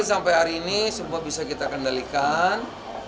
sampai hari ini semua bisa kita kendalikan